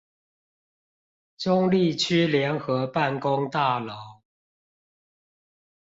中壢區聯合辦公大樓